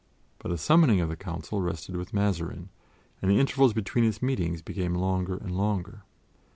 But the summoning of the Council rested with Mazarin, and the intervals between its meetings became longer and longer.